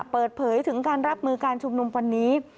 เปิดเผยถึงการรับมือการชุมนุมวันนี้